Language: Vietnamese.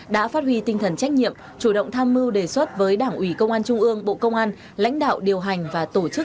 đã phát huy tinh thần trách nhiệm chủ động tham mưu đề xuất với đảng ủy công an trung ương bộ công an lãnh đạo điều hành và tổ chức